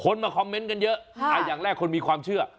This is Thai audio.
มาคอมเมนต์กันเยอะอย่างแรกคนมีความเชื่อ